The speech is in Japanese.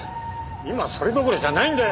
今はそれどころじゃないんだよ！